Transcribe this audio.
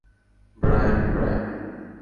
Brian, Brian.